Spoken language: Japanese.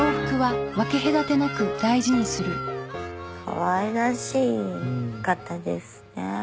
かわいらしい方ですね。